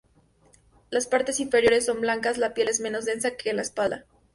Las partes inferiores son blancas, la piel es menos densa que en la espalda.